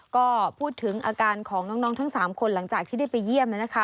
ก็พูดถึงอาการของน้องทั้ง๓คนหลังจากที่ได้ไปเยี่ยมนะคะ